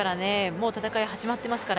もう戦いは始まっています。